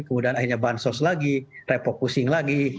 kemudian akhirnya bansos lagi repopusing lagi